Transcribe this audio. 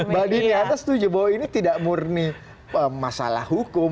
badinya atas setuju bahwa ini tidak murni masalah hukum